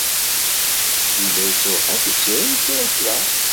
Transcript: Yella yettruḥ-as usirem kra kra.